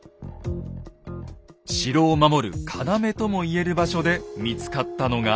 城を守る要とも言える場所で見つかったのが。